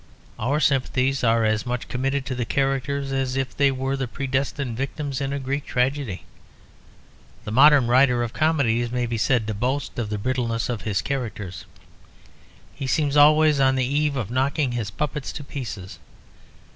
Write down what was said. Our sympathies are as much committed to the characters as if they were the predestined victims in a Greek tragedy. The modern writer of comedies may be said to boast of the brittleness of his characters. He seems always on the eve of knocking his puppets to pieces.